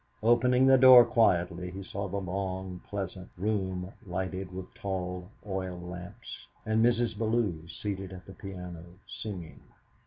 Opening the door quietly, he saw the long, pleasant room lighted with tall oil lamps, and Mrs. Bellew seated at the piano, singing.